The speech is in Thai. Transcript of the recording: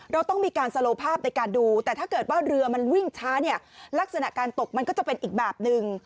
เราต้องมีการสโลภาพในการดูแต่ถ้าเกิดว่าเรือมันวิ่งช้าเนี่ยลักษณะการตกมันก็จะเป็นอีกแบบนึง